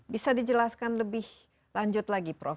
bisa dijelaskan lebih lanjut lagi prof